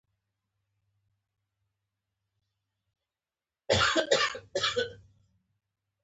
د دوی کار له یوه لوري ټولنیز شکل لري